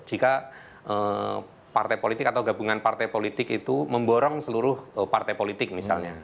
jika partai politik atau gabungan partai politik itu memborong seluruh partai politik misalnya